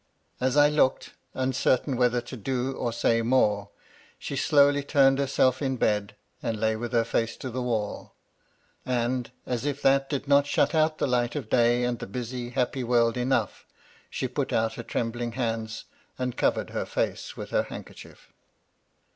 As I looked, uncertain whether to do or say more, she slowly turned herself in bed,, and lay with her face to the wall ; and, as if that did not shut out the light of day and the busy, happy world eifough, she put out her trembling hands, and covered her face with her handkerchief.